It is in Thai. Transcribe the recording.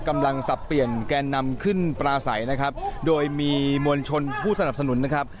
สับเปลี่ยนแกนนำขึ้นปลาใสนะครับโดยมีมวลชนผู้สนับสนุนนะครับ